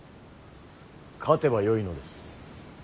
勝てばよいのです。